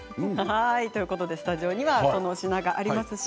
スタジオにはそのお品があります。